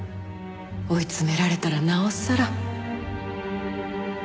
追い詰められたらなおさら。